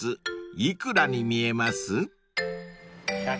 幾らに見えます？］